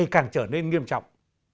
đã trở nên nghiêm trọng